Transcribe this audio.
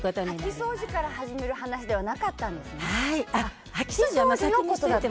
掃き掃除から始める話ではなかったんですね。